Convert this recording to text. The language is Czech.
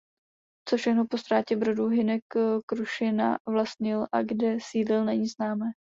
Co všechno po ztrátě Brodu Hynek Krušina vlastnil a kde sídlil není známé.